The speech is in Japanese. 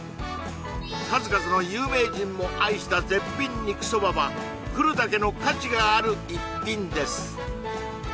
数々の有名人も愛した絶品肉そばは来るだけの価値がある一品です